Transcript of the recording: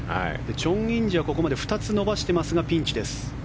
チョン・インジはここまで２つ伸ばしていますがピンチです。